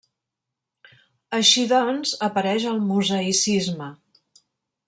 Així doncs, apareix el mosaïcisme.